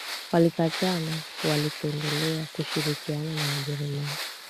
Walikataa na walipendelea kushirikiana na Wajerumani